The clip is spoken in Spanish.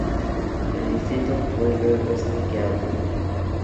El distrito fue luego saqueado.